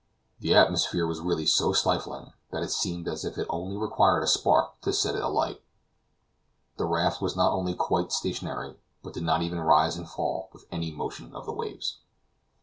The atmosphere was really so stifling, that it seemed as if it only required a spark to set it alight. The raft was not only quite stationary, but did not even rise and fall with any motion of the waves.